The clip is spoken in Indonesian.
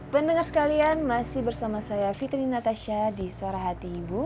pendengar sekalian masih bersama saya fitri natasha di suara hati ibu